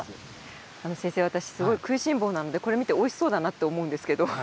先生私すごい食いしん坊なのでこれ見ておいしそうだなと思うんですけど